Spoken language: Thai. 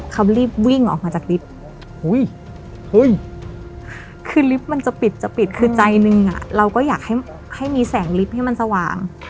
เขารีบวิ่งออกมาจากลิฟต์คือลิฟต์มันจะปิดจะปิดคือใจหนึ่งเราก็อยากให้มีแสงลิฟต์ให้มันสว่าง